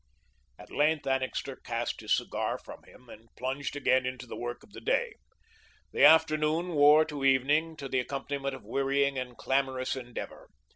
At length, Annixter cast his cigar from him and plunged again into the work of the day. The afternoon wore to evening, to the accompaniment of wearying and clamorous endeavour.